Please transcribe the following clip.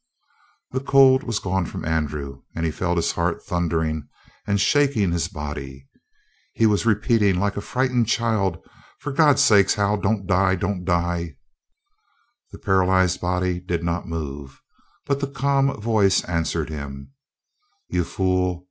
The cold was gone from Andrew, and he felt his heart thundering and shaking his body. He was repeating like a frightened child, "For God's sake, Hal, don't die don't die." The paralyzed body did not move, but the calm voice answered him: "You fool!